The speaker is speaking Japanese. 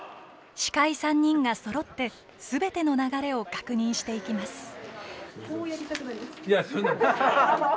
司会３人がそろってすべての流れを確認していきます。